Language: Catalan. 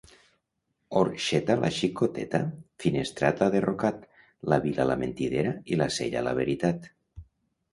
Orxeta la xicoteta, Finestrat l'ha derrocat, la Vila la mentidera i Sella la veritat.